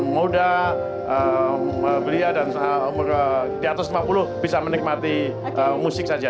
muda belia dan umur di atas lima puluh bisa menikmati musik saja